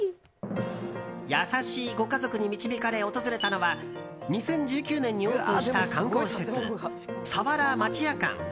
優しいご家族に導かれ訪れたのは２０１９年にオープンした観光施設、さわら町屋館。